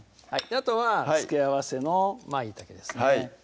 あとは付け合わせのまいたけですね